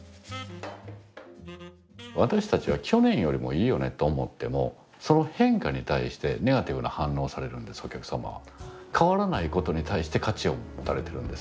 私たちは「去年よりもいいよね」と思ってもその変化に対してネガティブな反応をされるんですお客様は。